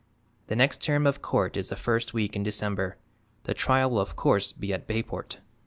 "The next term of court is the first week in December. The trial will of course be at Bayport."